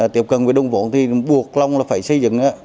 tiếp cận với đồng vốn thì buộc long là phải xây dựng